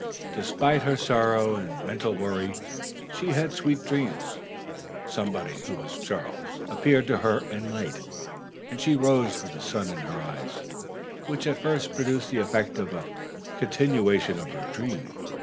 Despite her sorrow and mental worry, she had sweet dreams. Somebody, who was Charles, appeared to her in light, and she rose with the sun in her eyes, which at first produced the effect of a continuation of her dream.